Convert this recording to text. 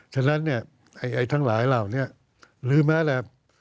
ฉะนั้นเนี่ยไอ้ทั้งหลายเหล่านี้หรือแม้แต่